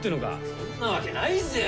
そんなわけないぜよ。